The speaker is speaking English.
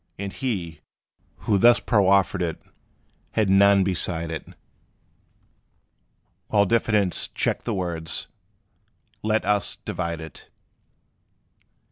And he, who thus proffered it, had none beside it; While diffidence checked the words, "Let us divide it."